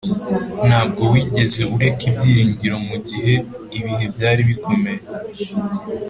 ntabwo wigeze ureka ibyiringiro mugihe ibihe byari bikomeye.